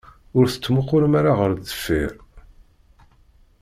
Ur tettmuqqulem ara ɣer deffir.